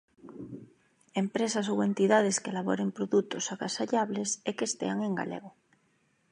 Empresas ou entidades que elaboren produtos agasallables e que estean en galego.